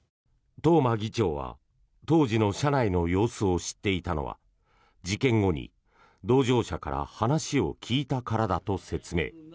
東間議長は当時の車内の様子を知っていたのは事件後に、同乗者から話を聞いたからだと説明。